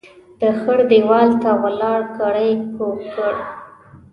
د خړ ديوال ته ولاړ ګړی کوږ کړ.